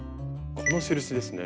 この印ですね。